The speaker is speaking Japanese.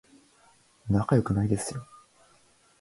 仲良くないですよ